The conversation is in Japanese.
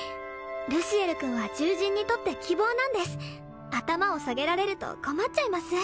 ルシエル君は獣人にとって希望なんです頭を下げられると困っちゃいます